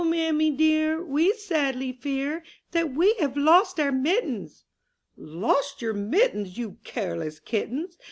mammy dear, We sadly fear That we have lost our mittens." MlA ''Lost your mittens ! You careless kittens!